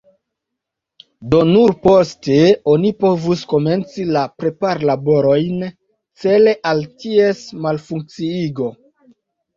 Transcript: Do nur poste oni povus komenci la preparlaborojn cele al ties malfunkciigo.